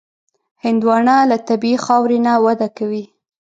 هندوانه له طبیعي خاورې نه وده کوي.